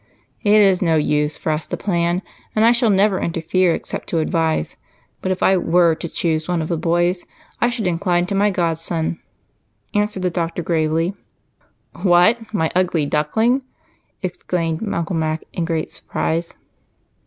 "It is of no use for us to plan, and I shall never interfere except to advise, and if I were to choose one of the boys, I should incline to my godson," answered the doctor gravely. "What, my Ugly Duckling!" exclaimed Uncle Mac in great surprise.